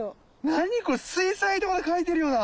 なにこれ水彩とかで描いてるような。